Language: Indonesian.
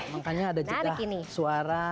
makanya ada jidah suara